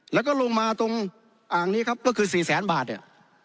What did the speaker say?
แล้วก็ลงมาตรงอ่างนี้ครับก็คือ๔แสนบาทเนี่ย